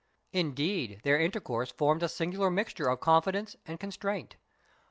Indeed, their intercourse formed a singular mixture of confidence and constraint.